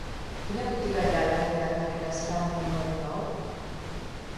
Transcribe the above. Quina botiga hi ha al carrer de Carreras i Candi número nou?